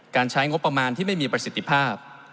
ใช้งบประมาณที่ไม่มีประสิทธิภาพ